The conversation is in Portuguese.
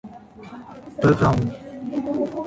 Pavão